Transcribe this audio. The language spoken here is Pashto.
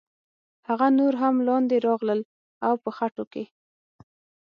هغه نور هم لاندې راغلل او په خټو کې.